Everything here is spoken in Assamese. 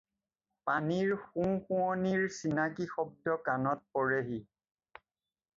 পানীৰ সোঁসোঁৱনিৰ চিনাকি শব্দই কাণত পৰেহি।